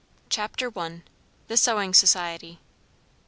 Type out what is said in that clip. CHAPTER I. THE SEWING SOCIETY.